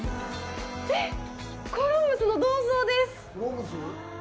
えっ、コロンブスの銅像です！